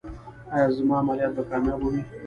ایا زما عملیات به کامیابه وي؟